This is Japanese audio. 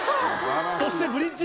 そしてブリッジ。